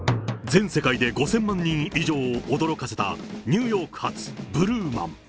全世界で５０００万人以上を驚かせた、ニューヨーク発ブルーマン。